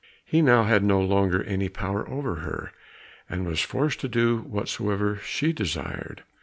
He now had no longer any power over her, and was forced to do whatsoever she desired.